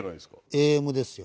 ＡＭですよ。